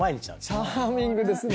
チャーミングですね。